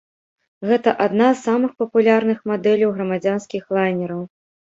Гэта адна з самых папулярных мадэляў грамадзянскіх лайнераў.